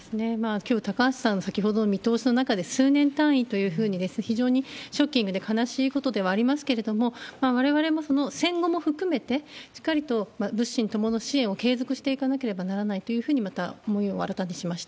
きょう、高橋さん、先ほどの見通しの中で、数年単位というふうに、非常にショッキングで悲しいことではありますけれども、われわれも戦後も含めて、しっかりと物資ともの支援を継続していかなければならないというふうに、また思いを新たにしました。